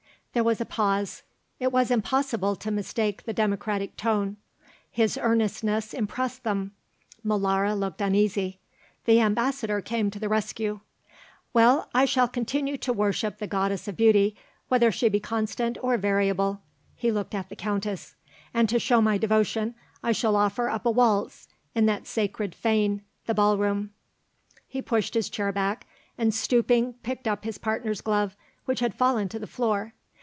There was a pause. It was impossible to mistake the democratic tone; his earnestness impressed them. Molara looked uneasy. The Ambassador came to the rescue. "Well, I shall continue to worship the goddess of beauty, whether she be constant or variable" he looked at the Countess; "and to show my devotion I shall offer up a waltz in that sacred fane, the ball room." He pushed his chair back, and, stooping, picked up his partner's glove, which had fallen to the floor.